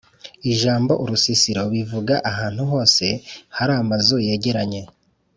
Ijambo "urusisiro" bivuga ahantu hose hari amazu yegeranye